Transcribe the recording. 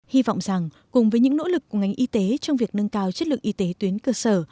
hy vọng rằng cùng với những nỗ lực của ngành y tế trong việc nâng cao chất lượng y tế tuyến cơ sở